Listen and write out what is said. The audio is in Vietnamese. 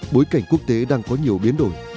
bối cảnh quốc tế đang có nhiều biến đổi